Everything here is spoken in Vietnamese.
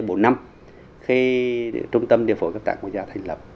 bộ năm khi trung tâm địa phổi cấp tạng quốc gia thành lập